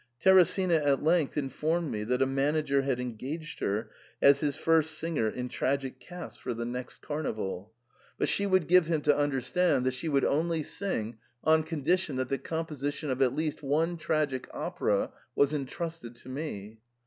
Teresina at length informed me that a manager had engaged her as his first singer in tragic casts for the next carnival ; but she would give THE PERM AT A. 55 him to understand that she would only sing on condition that the composition of at least one tragic opera was intrusted to me.